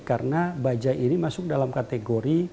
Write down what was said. karena bajai ini masuk dalam kategori